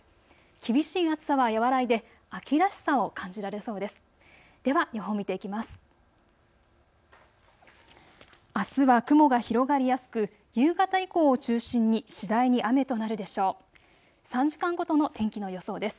厳しい暑さは和らいで秋らしさを感じられそうです。